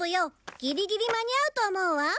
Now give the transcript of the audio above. ギリギリ間に合うと思うわ。